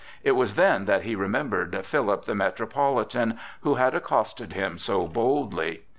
It was then that he remembered Philip, the Metropolitan, who had accosted him so boldly.